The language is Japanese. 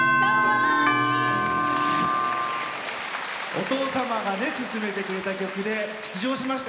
お父様がすすめてくれた曲で出場しました。